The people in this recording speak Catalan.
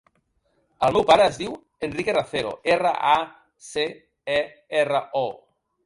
El meu pare es diu Enrique Racero: erra, a, ce, e, erra, o.